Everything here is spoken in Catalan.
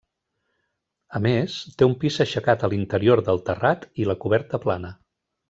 A més, té un pis aixecat a l'interior del terrat i la coberta plana.